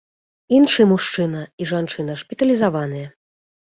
Іншы мужчына і жанчына шпіталізаваныя.